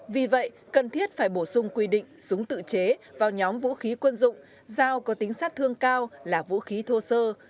vì vậy cần thiết phải bổ sung quy định súng tự chế vào nhóm vũ khí quân dụng dao có tính sát thương cao là vũ khí thô sơ